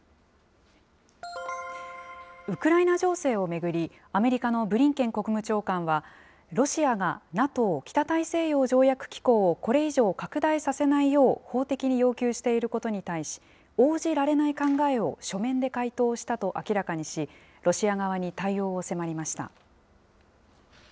ウクライナ情勢を巡り、アメリカのブリンケン国務長官は、ロシアがＮＡＴＯ・北大西洋条約機構をこれ以上拡大させないよう、法的に要求していることに対し、応じられない考えを書面で回答したと明らかにし、ロシア側に対応を迫りました。